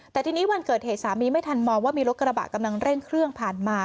แต่ทีนี้วันเกิดเหตุสามีไม่ทันมองว่ามีรถกระบะกำลังเร่งเครื่องผ่านมา